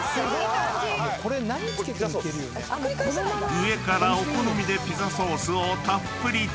［上からお好みでピザソースをたっぷりと］